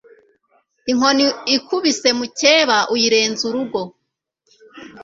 Inkoni ikubise mukeba uyirenza urugo